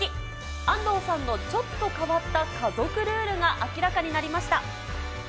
安藤さんのちょっと変わった家族ルールが明らかになりました。